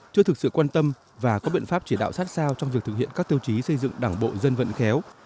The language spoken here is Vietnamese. chưa thực sự quan tâm và có biện pháp chỉ đạo sát sao trong việc thực hiện các tiêu chí xây dựng đảng bộ dân vận khéo